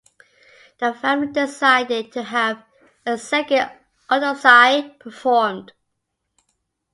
The family decided to have a second autopsy performed.